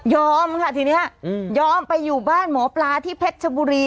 ค่ะทีนี้ยอมไปอยู่บ้านหมอปลาที่เพชรชบุรี